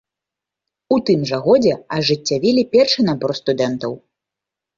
У тым жа годзе ажыццявілі першы набор студэнтаў.